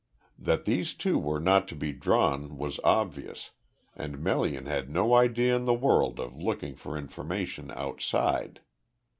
That these two were not to be drawn was obvious, and Melian had no idea in the world of looking for information outside.